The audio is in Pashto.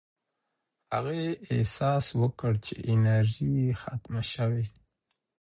هغې احساس وکړ چې انرژي یې ختمه شوې.